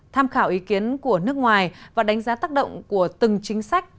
tham khảo ý kiến của nước ngoài và đánh giá tác động của từng chính sách